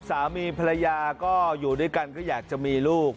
สามีภรรยาก็อยู่ด้วยกันก็อยากจะมีลูก